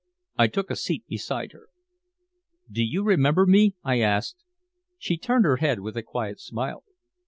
I took a seat beside her. "Don't you remember me?" I asked. She turned her head with a quiet smile.